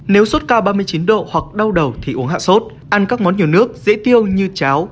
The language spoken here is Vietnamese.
nếu sốt cao ba mươi chín độ hoặc đau đầu thì uống hạ sốt ăn các món nhiều nước dễ tiêu như cháo